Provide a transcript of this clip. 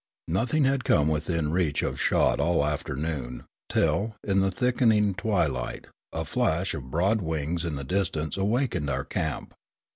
Nothing had come within reach of shot all afternoon till, in the thickening twilight, a flash of broad wings in the distance awakened our camp.